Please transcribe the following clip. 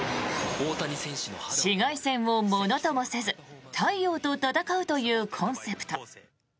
紫外線をものともせず太陽と戦うというコンセプト。